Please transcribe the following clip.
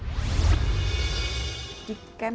di kemlu kita memiliki apa yang dinamakan